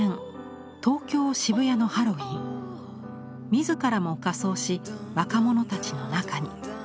自らも仮装し若者たちの中に。